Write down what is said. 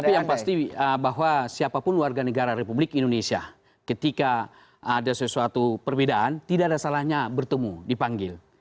tapi yang pasti bahwa siapapun warga negara republik indonesia ketika ada sesuatu perbedaan tidak ada salahnya bertemu dipanggil